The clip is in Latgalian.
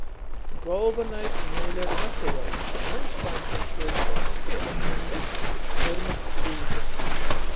Golvonais niule ir nasajaukt, ka muns paņteņš juoskaita piec Ingys, pyrma Līgys.